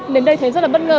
đến đây thấy rất là bất ngờ